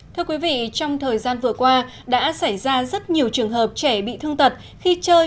thưa quý vị trong thời gian vừa qua đã xảy ra rất nhiều trường hợp trẻ bị thương tật khi chơi